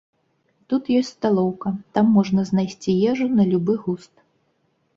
Тут ёсць сталоўка, там можна знайсці ежу на любы густ.